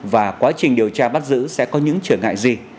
và quá trình điều tra bắt giữ sẽ có những trở ngại gì